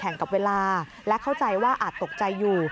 กับเวลาและเข้าใจว่าอาจตกใจอยู่